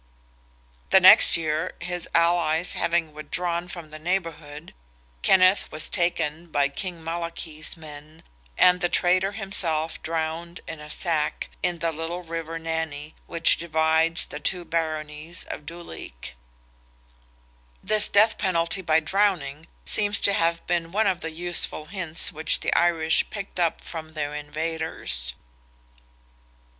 The next year, his allies having withdrawn from the neighbourhood, Kenneth was taken by King Malachy's men, and the traitor himself drowned in a sack, in the little river Nanny, which divides the two baronies of Duleek. This death penalty by drowning seems to have been one of the useful hints which the Irish picked up from their invaders.